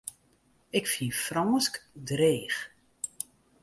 Ik fyn Frânsk dreech.